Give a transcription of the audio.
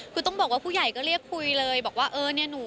คือต้องบอกว่าผู้ใหญ่ก็เรียกคุยเลยบอกว่าเออเนี่ยหนู